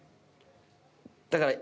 だから。